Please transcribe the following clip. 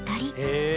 へえ。